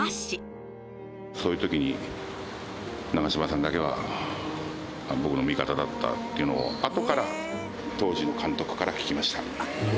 そういうときに、長嶋さんだけは僕の味方だったっていうのを、あとから当時の監督から聞きました。